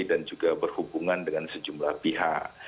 dan juga berhubungan dengan sejumlah pihak